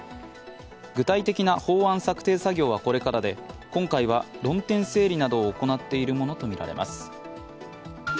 具体的な法案作成作業はこれからで今回は論点整理などを行っているものとみられます。